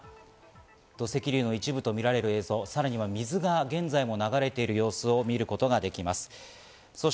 土石流の一部と見られる映像、さらには水が現在も流れている様子を見ることができます。